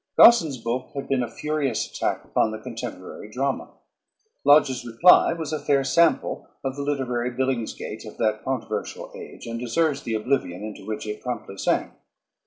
Gosson's book had been a furious attack upon the contemporary drama. Lodge's reply was a fair sample of the literary billingsgate of that controversial age and deserves the oblivion into which it promptly sank.